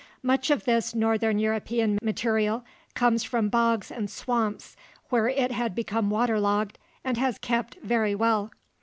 Much of this north European material comes from bogs and swamps where it had become water logged and has kept very well.